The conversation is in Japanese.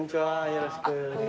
よろしくお願いします。